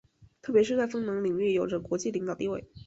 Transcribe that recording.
特别是在风能领域有着国际领导地位。